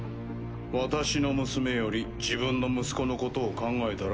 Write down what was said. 私の娘より自分の息子のことを考えたら。